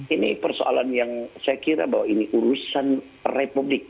ini persoalan yang saya kira bahwa ini urusan republik